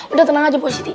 udah tenang aja pak siti